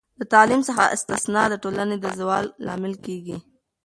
د تعلیم څخه استثنا د ټولنې د زوال لامل کیږي.